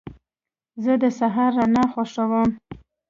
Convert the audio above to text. زه د سهار رڼا خوښوم.